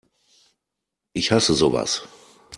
Ich hasse sowas!